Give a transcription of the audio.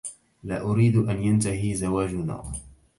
لا أريد أن ينتهي زواجنا.